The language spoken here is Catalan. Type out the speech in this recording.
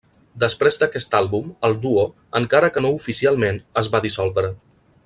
Després d'aquest àlbum, el duo, encara que no oficialment, es va dissoldre.